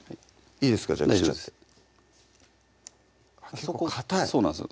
結構かたいそうなんですよ